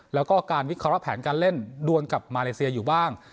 แล้วก็การวิเคราะห์แผนการเล่นดวนกับมาเลเซียอยู่บ้าง